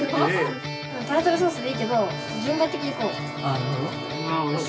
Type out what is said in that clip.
タルタルソースでいいけど順番的にこう。